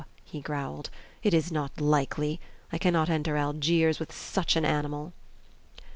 he growled, "it is not likely! I cannot enter Algiers with such an animal!"